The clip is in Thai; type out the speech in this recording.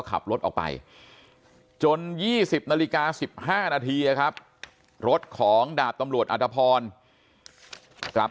ขับรถออกไปจน๒๐นาฬิกา๑๕นาทีครับรถของดาบตำรวจอัตภพรกลับ